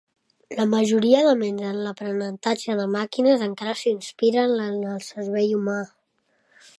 La majoria de ments en l'aprenentatge de màquines encara s'inspira en el cervell humà.